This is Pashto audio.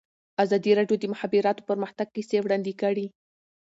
ازادي راډیو د د مخابراتو پرمختګ کیسې وړاندې کړي.